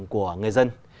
của người dân